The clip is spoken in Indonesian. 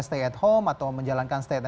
stay at home atau menjalankan stand